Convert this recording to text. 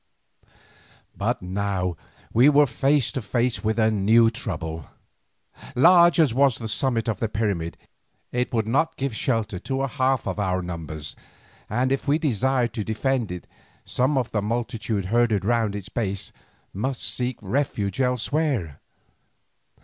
But now we were face to face with a new trouble. Large as was the summit of the pyramid, it would not give shelter to a half of our numbers, and if we desired to defend it some of the multitude herded round its base must seek refuge elsewhere.